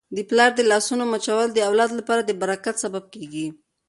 د پلار د لاسونو مچول د اولاد لپاره د برکت سبب کیږي.